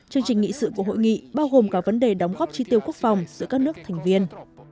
chương trình nghị sự của hội nghị bao gồm cả vấn đề đóng góp tri tiêu quốc phòng giữa các nước thành viên